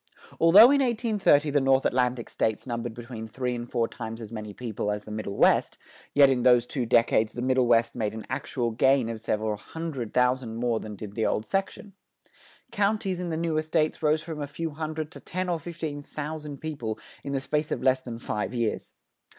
Although in 1830 the North Atlantic States numbered between three and four times as many people as the Middle West, yet in those two decades the Middle West made an actual gain of several hundred thousand more than did the old section. Counties in the newer states rose from a few hundred to ten or fifteen thousand people in the space of less than five years.